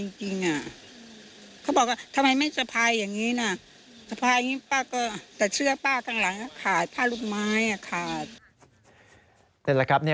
นี่แหนะครับบ้านคุณยายอีกนิดเดีวยิตนะ